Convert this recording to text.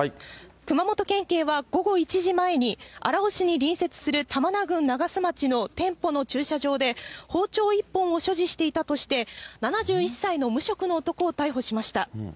熊本県警は午後１時前に、荒尾市に隣接するたまな郡ながす町の店舗の駐車場で、包丁１本を所持していたとして、７１歳の無職の男を逮捕しました。